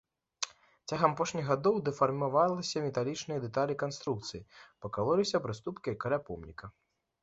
Цягам апошніх гадоў дэфармаваліся металічныя дэталі канструкцыі, пакалоліся прыступкі каля помніка.